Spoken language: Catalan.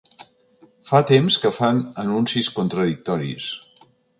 Fa temps que fan anuncis contradictoris.